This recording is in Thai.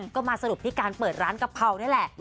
ก็มาสรุปที่การเปิดร้านกะเพรานี่แหละ